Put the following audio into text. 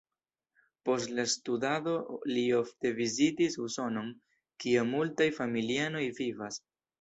Post la studado li ofte vizitis Usonon, kie multaj familianoj vivas.